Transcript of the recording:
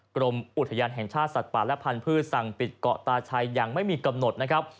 กรมอุทยานแห่งชาติสัตว์ป่าและพันธุ์สั่งปิดเกาะตาชัยอย่างไม่มีกำหนดนะครับ